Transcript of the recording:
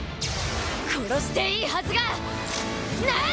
殺していいはずがない！